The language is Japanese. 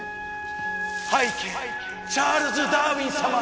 拝啓チャールズ・ダーウィン様。